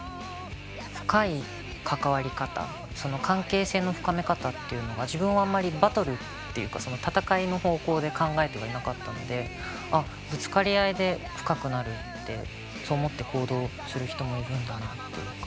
深い関わり方その関係性の深め方っていうのが自分はあんまりバトルっていうか戦いの方向で考えてはいなかったのでぶつかり合いで深くなるってそう思って行動する人もいるんだなっていうか。